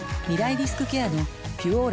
リスクケアの「ピュオーラ」